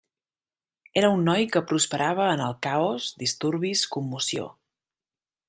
Era un noi que prosperava en el caos, disturbis, commoció.